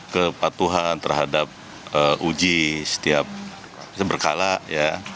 kepatuhan terhadap uji setiap berkala ya